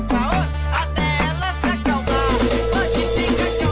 จะเป็นความสนิทที่